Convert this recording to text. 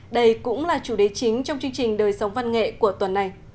đây cũng là chủ đề chính trong chương trình đời sống văn nghệ của tuần này